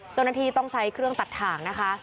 เจ้าหน้าที่ต้องใช้เครื่องตัดถ่างนะคะ